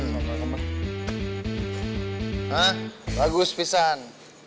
hah bagus pisahan